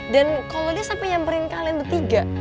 dan kalo dia sampe nyamperin kalian bertiga